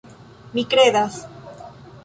Mi kredas!